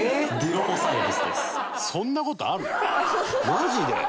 マジで？